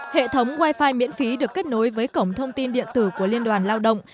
hệ thống wifi miễn phí được kết nối với cổng thông tin điện tử của liên đoàn lao động